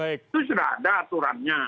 itu sudah ada aturannya